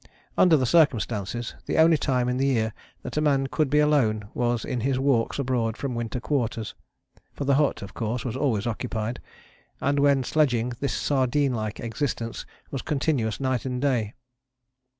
Under the circumstances, the only time in the year that a man could be alone was in his walks abroad from Winter Quarters, for the hut, of course, was always occupied, and when sledging this sardine like existence was continuous night and day.